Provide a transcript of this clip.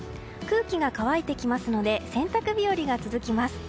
空気が乾いてきますので洗濯日和が続きます。